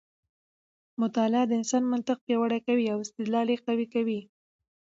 مطالعه د انسان منطق پیاوړی کوي او استدلال یې قوي کوي.